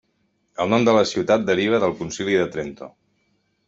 El nom de la ciutat deriva del Concili de Trento.